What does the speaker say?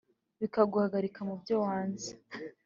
bikaguhagika mu byo wanze!